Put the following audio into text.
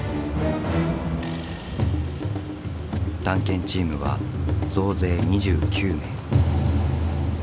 探検チームは総勢２９名。